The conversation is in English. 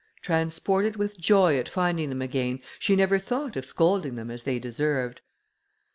Transported with joy at finding them again, she never thought of scolding them as they deserved.